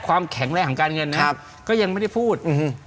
ความแข็งแรงของการเงินนะครับก็ยังไม่ได้พูด